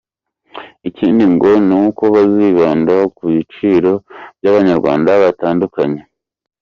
Ikindi ngo ni uko bazibanda ku byiciro by’Abanyarwanda batandukanye.